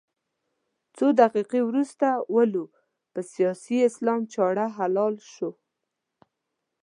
څو دقيقې وروسته ولو په سیاسي اسلام چاړه حلال شو.